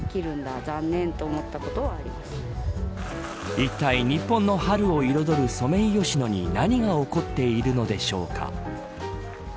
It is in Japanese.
いったい日本の春を彩るソメイヨシノに何が起こっているのでしょうか。